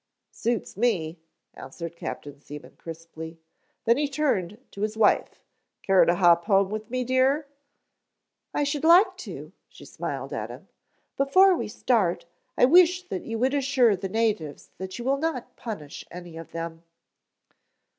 "Suits me," answered Captain Seaman crisply, then he turned to his wife, "Care to hop home with me, dear?" "I should like to," she smiled at him. "Before we start I wish that you would assure the natives that you will not punish any of them."